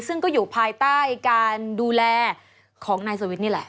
ซึ่งก็อยู่ภายใต้การดูแลของนายสวิทย์นี่แหละ